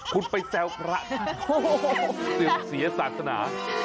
คุณไปแซวประตื่นเสียศาสนา